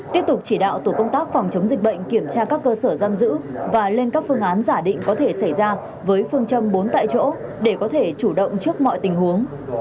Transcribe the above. tiếp tục chỉ đạo tổ công tác phòng chống dịch bệnh kiểm tra các cơ sở giam giữ và lên các phương án giả định có thể xảy ra với phương châm bốn tại chỗ để có thể chủ động trước mọi tình huống